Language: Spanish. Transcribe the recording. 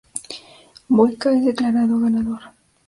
Boyka es declarado ganador.